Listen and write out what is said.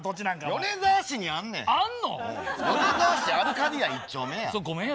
米沢市アルカディア１丁目や。